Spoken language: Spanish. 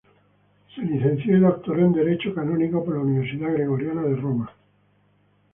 Se licenció y doctoró en Derecho Canónico por la Universidad Gregoriana de Roma.